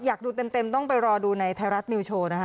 อยากดูเต็มต้องไปรอดูในไทยรัฐนิวโชว์นะคะ